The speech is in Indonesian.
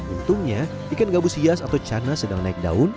untungnya ikan gabus hias atau cana sedang naik daun